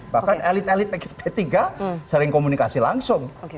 bahkan elit elit p tiga sering komunikasi langsung